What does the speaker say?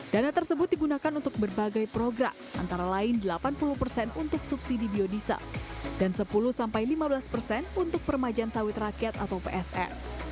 dana tersebut digunakan untuk berbagai program antara lain delapan puluh persen untuk subsidi biodiesel dan sepuluh sampai lima belas persen untuk permajaan sawit rakyat atau psn